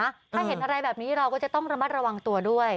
ถ้าเห็นอะไรแบบนี้เราก็จะต้องระมัดระวังตัวด้วย